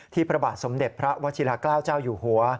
พระบาทสมเด็จพระวชิลาเกล้าเจ้าอยู่หัว